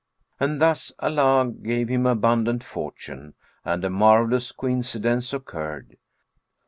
And thus Allah gave him abundant fortune; and a marvellous coincidence occurred.